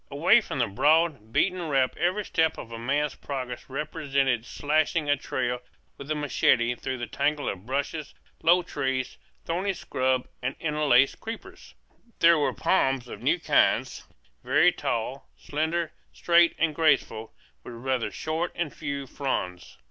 Away from the broad, beaten route every step of a man's progress represented slashing a trail with the machete through the tangle of bushes, low trees, thorny scrub, and interlaced creepers. There were palms of new kinds, very tall, slender, straight, and graceful, with rather short and few fronds.